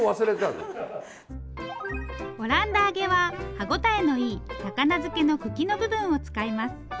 オランダ揚げは歯応えのいい高菜漬けの茎の部分を使います。